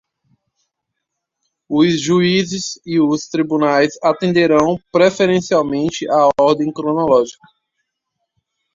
Os juízes e os tribunais atenderão, preferencialmente, à ordem cronológica